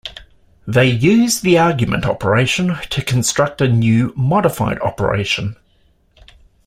They use the argument operation to construct a new modified operation.